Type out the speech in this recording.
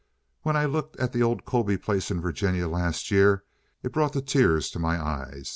When I looked at the old Colby place in Virginia last year, it brought the tears to my eyes.